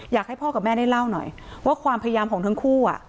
อยากให้พ่อกับแม่ได้เล่าหน่อยว่าความพยายามของทั้งคู่